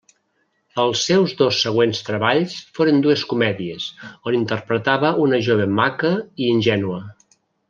Els seus dos següents treballs foren dues comèdies, on interpretava una jove maca i ingènua.